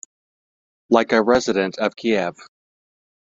Like a resident of Kiev.